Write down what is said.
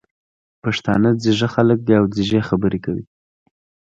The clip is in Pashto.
پښتانه ځيږه خلګ دي او ځیږې خبري کوي.